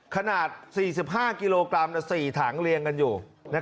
ขนาด๔๕กิโลกรัมหนึ่งจาก๔ถังเรียงกันอยู่